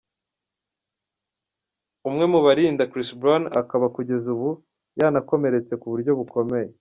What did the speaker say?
Umwe mu barinda Chris Brown akaba kugeza ubu yanakomeretse k’uburyo bukomeye.